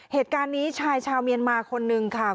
เหตุการณ์นี้ชายชาวเมียนมาคนนึงค่ะ